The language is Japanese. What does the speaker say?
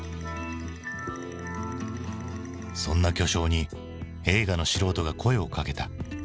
そんな巨匠に映画の素人が声をかけた。